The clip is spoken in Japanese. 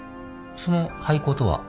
その廃校とは？